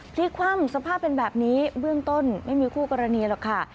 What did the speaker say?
พลิกคว่ำสภาพเป็นแบบนี้เบื้องต้นไม่มีคู่กรณีหรอกค่ะ